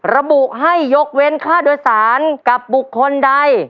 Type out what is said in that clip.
ระบุให้ยกเว้นค่าโดยสารกับบุคคลใด